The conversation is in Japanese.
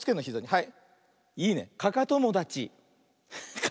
はい。